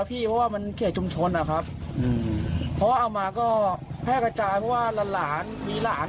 เพราะว่าหลานมีหลาน